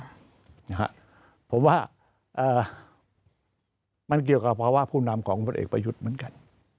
นะฮะผมว่ามันเกี่ยวกับภาวะผู้นำของผลเอกประยุทธ์เหมือนกัน